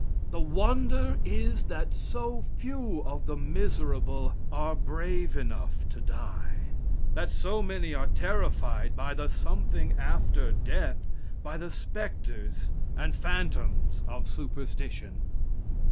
The wonder is that so few of the miserable are brave enough to die that so many are terrified by the "something after death" by the specters and phantoms of superstition.